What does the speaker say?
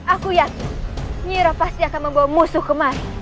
aku yakin nyiiroh pasti akan membawa musuh kemari